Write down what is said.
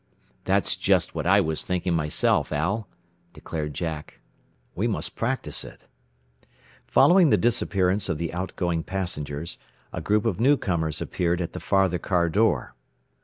"That's just what I was thinking myself, Al," declared Jack. "We must practice it." Following the disappearance of the out going passengers, a group of newcomers appeared at the farther car door.